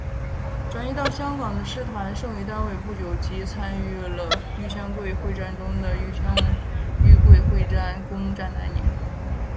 转移到香港的师团剩余单位不久即参加了豫湘桂会战中的湘桂会战攻占南宁。